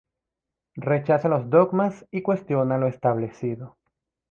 Rechaza los dogmas y cuestiona lo establecido.